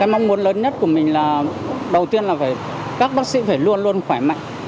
mong muốn lớn nhất của mình là đầu tiên là các bác sĩ phải luôn luôn khỏe mạnh